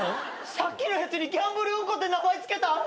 さっきのやつにギャンブルうんこって名前付けたん？